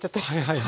はい。